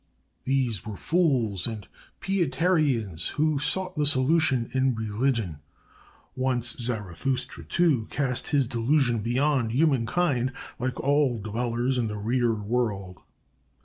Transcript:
These were fools and pietarians, who sought the solution in Religion. Once Zarathustra, too, cast his delusion beyond Humankind, like all dwellers in the Rear World.